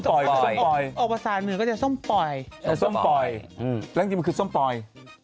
ถ้าเขาออกประสาทเหนือก็จะส้มปอยแล้วจริงก็คือส้มปอย